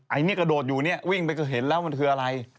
ไอ้นี่กระโดดอยู่วิ่งไปก็เห็นแล้วมันคืออะไร